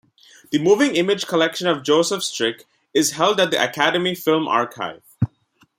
The moving image collection of Joseph Strick is held at the Academy Film Archive.